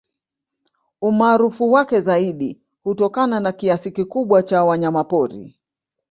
Umaarufu wake zaidi hutokana na kiasi kikubwa cha wanyamapori